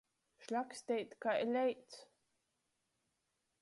Šļaksteit kai leits.